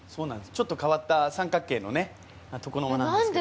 ちょっと変わった三角形のね床の間なんですけど。